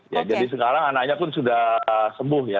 jadi sekarang anaknya sudah sembuh ya